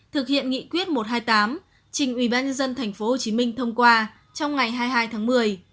thực hiện nghị quyết một trăm hai mươi tám trình ubnd tp hồ chí minh thông qua trong ngày hai mươi hai tháng một mươi